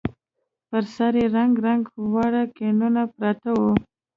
پر سر يې رنګ رنګ واړه ګېنونه پراته وو.